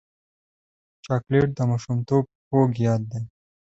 چاکلېټ د ماشومتوب خوږ یاد دی.